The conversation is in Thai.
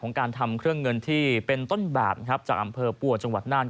การทำเครื่องเงินที่เป็นต้นแบบจากอำเภอปัวจังหวัดน่าน